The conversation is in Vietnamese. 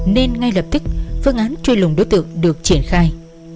nên ngay lập tức phương án truy lùng đối tượng được triển khai